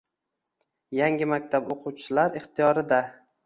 Yangi maktab o‘quvchilar ixtiyoridang